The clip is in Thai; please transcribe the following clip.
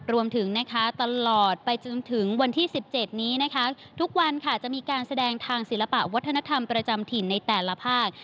รวมถึงนะคะตลอดไปจนถึงวันที่๑๗นี้นะคะทุกวันค่ะจะมีการแสดงทางศิลปะวัฒนธรรมประจำถิ่นในแต่ละภาค